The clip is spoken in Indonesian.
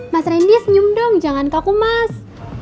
mas randy senyum dong jangan kaku mas